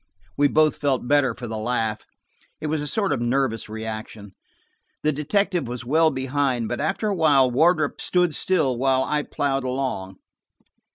We both felt better for the laugh; it was a sort of nervous reaction. The detective was well behind, but after a while Wardrop stood still, while I plowed along.